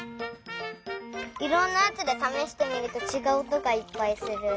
いろんなやつでためしてみるとちがうおとがいっぱいする。